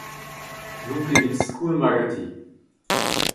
n'on ket evit skoulmañ ganti